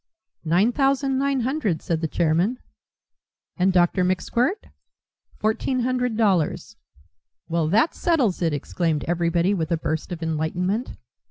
"Nine thousand nine hundred," said the chairman. "And Dr. McSkwirt?" "Fourteen hundred dollars." "Well, that settles it!" exclaimed everybody with a burst of enlightenment.